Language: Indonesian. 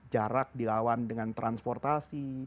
jarak dilawan dengan transportasi